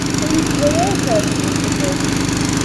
Ur yuklal ara ad tɛettbem fell-as.